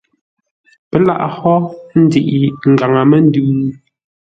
Pə́ laghʼ hó ə́ ndəiʼi ngaŋə-məndʉ?